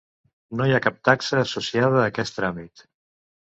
No hi ha cap taxa associada a aquest tràmit.